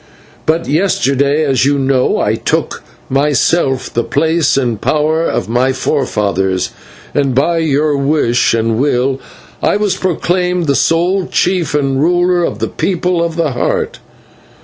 But yesterday, as you know, I took upon myself the place and power of my forefathers, and by your wish and will I was proclaimed the sole chief and ruler of the People of the Heart.